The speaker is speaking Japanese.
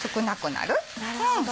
なるほど。